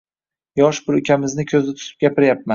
Yosh bir ukamizni ko‘zda tutib gapiryapman